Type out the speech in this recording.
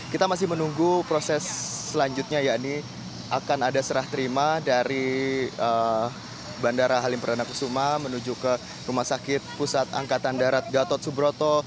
kita masih menunggu proses selanjutnya yakni akan ada serah terima dari bandara halim perdana kusuma menuju ke rumah sakit pusat angkatan darat gatot subroto